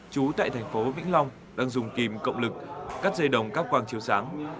chú tại thành phố vĩnh long đang dùng kìm cộng lực cắt dây đồng các quang chiếu sáng